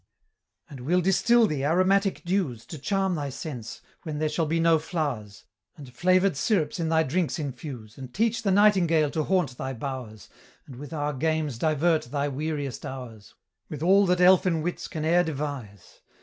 "And we'll distil thee aromatic dews, To charm thy sense, when there shall be no flow'rs; And flavor'd syrups in thy drinks infuse, And teach the nightingale to haunt thy bow'rs, And with our games divert thy weariest hours, With all that elfin wits can e'er devise.